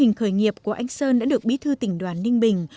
cùng một số doanh nghiệp của anh sơn đã được bí thư tỉnh đoàn ninh bình